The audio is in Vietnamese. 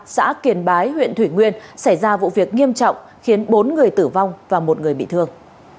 xã kiềm bái huyện thủy nguyên xảy ra vụ việc nghiêm trọng khiến bốn người tử vong và một người bị thương